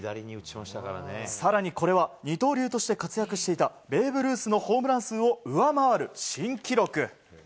更に、これは二刀流として活躍していたベーブ・ルースのホームラン数を上回る新記録。